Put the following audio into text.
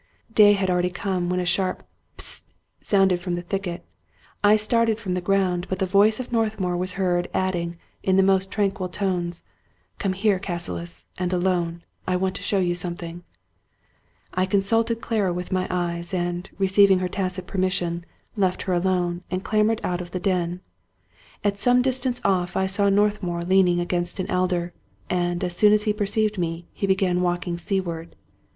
Day had already come, when a sharp " Hist !" sounded from the thicket. I started from the ground ; but the voice of Northmour was heard adding, in the most tranquil tones :'* Come here, Cassilis, and alone ; I want to show you something." I consulted Clara with my eyes, and, receiving her tacit permission, left her alone, and clambered out of the den. At some distance off I saw Northmour leaning against an elder; and, as soon as he perceived me, he began walking seaward.